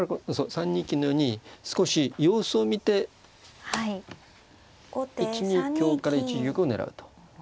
３二金のように少し様子を見て１二香から１一玉を狙うと。